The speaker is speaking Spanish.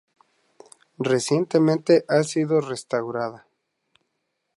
Recientemente ha sido restaurada.